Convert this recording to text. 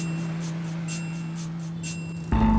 cara situ tadi